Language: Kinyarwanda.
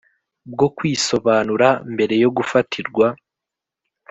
Bwo kwisobanura mbere yo gufatirwa